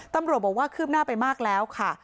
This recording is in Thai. ตำรวจบอกว่าคืบหน้าไปมากแล้วค่ะ